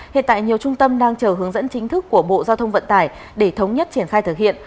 hiện tại nhiều trung tâm đang chờ hướng dẫn chính thức của bộ giao thông vận tải để thống nhất triển khai thực hiện